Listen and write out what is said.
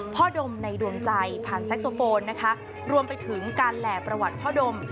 ภอดมในดวงใจผ่านแซคโซโฟนรวมไปถึงการแหล่ประวัติภอดม